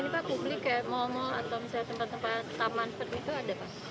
ada apa apa publik ya mall mall atau tempat tempat taman